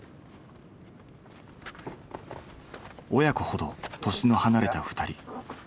親子ほど年の離れた２人。